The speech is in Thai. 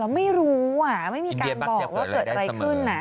เราไม่รู้อ่ะไม่มีการบอกว่าเกิดอะไรขึ้นอ่ะ